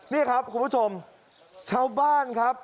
นี่ครับคุณผู้ชมชาวบ้านครับ